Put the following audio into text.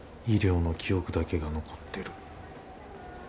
医療の記憶だけが残ってる。